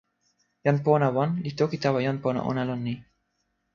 jan pona wan li toki tawa jan pona ona lon ni.